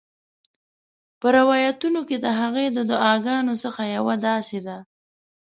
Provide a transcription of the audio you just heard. په روایتونو کې د هغې د دعاګانو څخه یوه داسي ده: